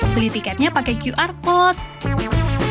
beli tiketnya pakai qr code